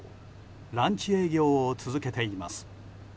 ランチ営業を続けています。